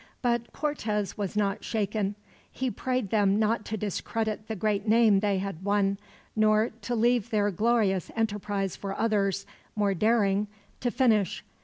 But Cortez was not shaken. He prayed them not to discredit the great name they had won, nor to leave their glorious enterprise for others, more daring, to finish.